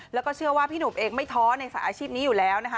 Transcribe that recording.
แล้วก็เชื่อว่าพี่หนุ่มเองไม่ท้อในสายอาชีพนี้อยู่แล้วนะคะ